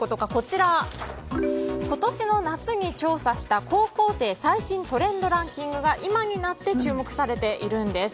今年の夏に調査した高校生最新トレンドランキングが今になって注目されているんです。